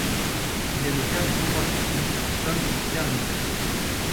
Il est le père du coureur cycliste Tom Dernies.